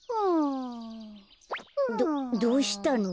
どどうしたの？